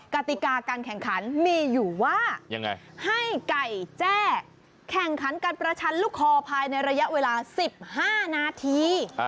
กติกาการแข่งขันมีอยู่ว่าให้ไก่แจ้แข่งขันการประชันลูกคอภายในระยะเวลา๑๕นาที